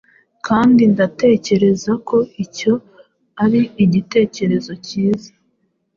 kandi ndatekereza ko icyo ari igitekerezo cyiza